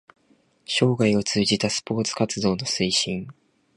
生涯を通じたスポーツ活動の推進